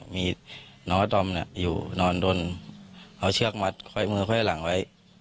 มีน้องอาตอมอยู่นอนโดนเอาเชือกมัดค่อยมือค่อยหลังไว้